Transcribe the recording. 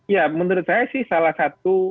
ya menurut saya sih salah satu